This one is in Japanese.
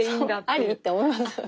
あり？って思いますよね。